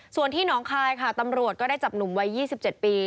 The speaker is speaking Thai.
ส่วนที่หนองคายค่ะตำรวจก็ได้จับหนุ่มวัย๒๗ปี